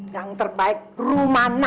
yang terbaik rumana